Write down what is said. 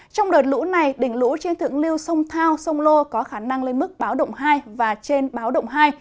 trong đợt lũ này đỉnh lũ trên thượng lưu sông thao sông lô có khả năng lên mức báo động hai và trên báo động hai